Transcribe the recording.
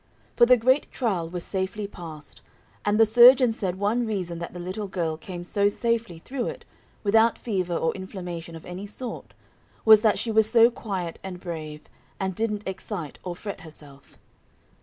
For the great trial was safely passed, and the surgeon said one reason that the little girl came so safely through it, without fever or inflammation of any sort, was that she was so quiet and brave, and didn't excite or fret herself.